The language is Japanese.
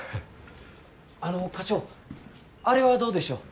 あの課長あれはどうでしょう。